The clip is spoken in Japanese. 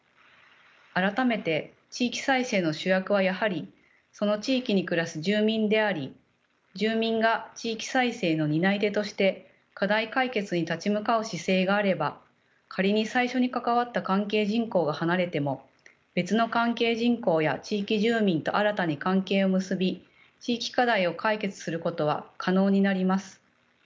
改めて地域再生の主役はやはりその地域に暮らす住民であり住民が地域再生の担い手として課題解決に立ち向かう姿勢があれば仮に最初に関わった関係人口が離れても別の関係人口や地域住民と新たに関係を結び地域課題を解決することは可能になります。